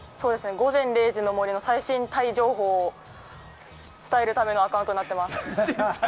「午前０時の森」の最新タイ情報を伝えるためのアカウントになってます。